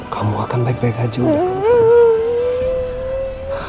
kamu akan baik baik aja udah